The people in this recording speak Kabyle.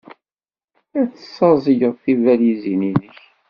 Ad tessaẓyed tibalizin-nnek.